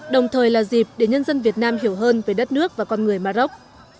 đồng thời là dịp để nhân dân việt nam hiểu hơn về đất nước và con người maroc